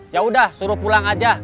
yaudah suruh pulang aja